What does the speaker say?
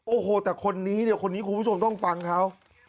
โอ้โหแต่คนนี้เนี่ยคนนี้คุณผู้ชมต้องฟังเขา